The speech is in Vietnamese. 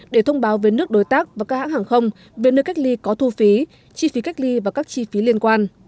để thông báo với nước đối tác và các hãng hàng không về nơi cách ly có thu phí chi phí cách ly và các chi phí liên quan